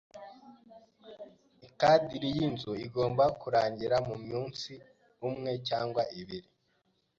Ikadiri yinzu igomba kurangira mumunsi umwe cyangwa ibiri.